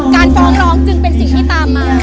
การฟ้องร้องจึงเป็นสิ่งที่ตามมา